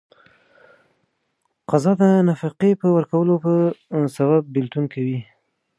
قضا د نفقې نه ورکولو په سبب بيلتون کوي.